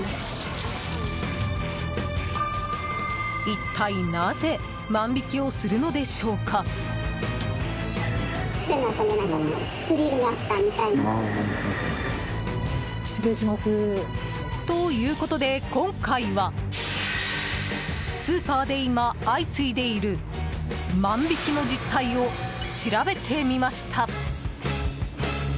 一体なぜ万引きをするのでしょうか？ということで、今回はスーパーで今、相次いでいる万引きの実態を調べてみました。